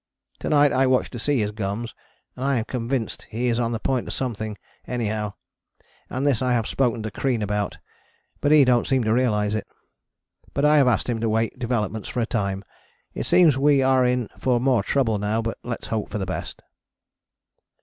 To night I watched to see his gums, and I am convinced he is on the point of something anyhow, and this I have spoken to Crean about, but he dont seem to realise it. But I have asked him to wait developments for a time. It seems we are in for more trouble now, but lets hope for the best.